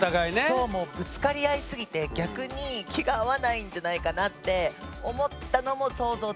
そうもうぶつかり合いすぎて逆に気が合わないんじゃないかなって思ったのも想像できるなって。